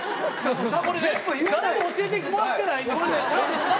誰も教えてもらってないんです。